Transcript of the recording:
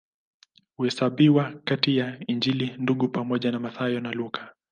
Huhesabiwa kati ya Injili Ndugu pamoja na Mathayo na Luka.